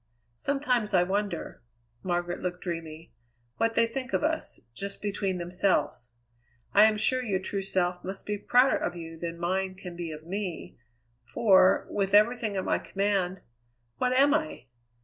Sometimes I wonder" Margaret looked dreamy "what they think of us, just between themselves? I am sure your true self must be prouder of you than mine can be of me, for, with everything at my command, what am I?